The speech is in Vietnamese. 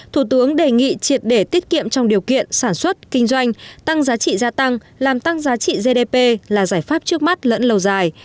thủ tướng đề nghị triệt để tiết kiệm trong điều kiện sản xuất kinh doanh tăng giá trị gia tăng làm tăng giá trị gdp là giải pháp trước mắt lẫn lâu dài